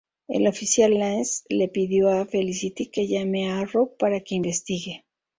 El oficial Lance le pide a Felicity que llame a "Arrow"para que investigue.